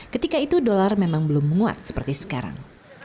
ketika itu dolar memang belum menguat seperti sekarang